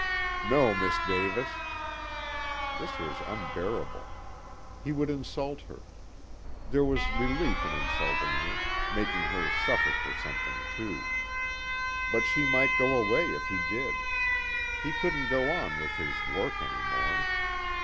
"No, Miss Davis." This was unbearable. He would insult her. There was relief in insulting her, making her suffer for something, too. But she might go away if he did. He couldn't go on with his work any more.